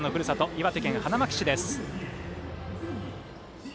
岩手県花巻市です。